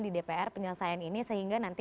di dpr penyelesaian ini sehingga nanti